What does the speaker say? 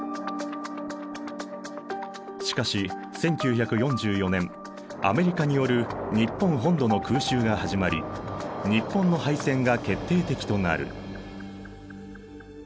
しかし１９４４年アメリカによる日本本土の空襲が始まり日本の敗戦が決定的となる。